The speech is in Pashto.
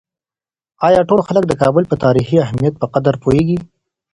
آیا ټول خلک د کابل د تاریخي اهمیت په قدر پوهېږي؟